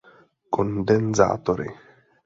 Kondenzátory